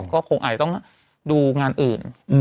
ก็คงอาจจะต้องดูงานอื่น